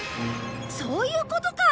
そういうことか！